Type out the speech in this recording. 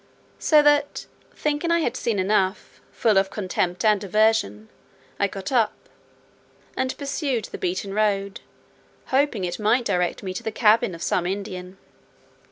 So that, thinking I had seen enough, full of contempt and aversion, I got up, and pursued the beaten road, hoping it might direct me to the cabin of some Indian.